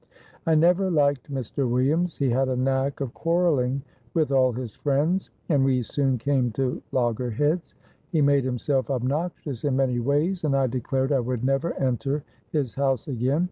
I never liked Mr. Williams; he had a knack of quarrelling with all his friends, and we soon came to loggerheads. He made himself obnoxious in many ways, and I declared I would never enter his house again.